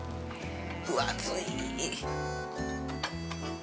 分厚い。